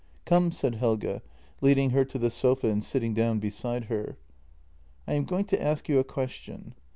" Come," said Helge, leading her to the sofa and sitting down beside her. " I am going to ask you a question.